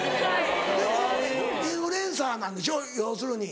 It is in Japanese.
でもインフルエンサーなんでしょ要するに。